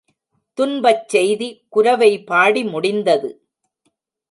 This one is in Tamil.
துன்பச் செய்தி குரவை பாடி முடிந்தது.